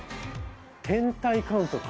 「天体観測」